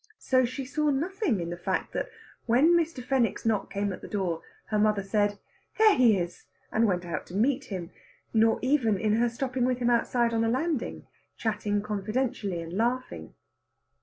So she saw nothing in the fact that when Mr. Fenwick's knock came at the door, her mother said, "There he is," and went out to meet him; nor even in her stopping with him outside on the landing, chatting confidentially and laughing.